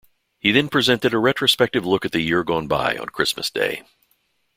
He then presented a retrospective look at the year gone by on Christmas Day.